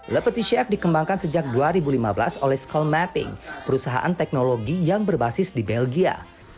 lepeti cf dikembangkan sejak dua ribu lima belas oleh scol mapping perusahaan teknologi yang berbasis di belgia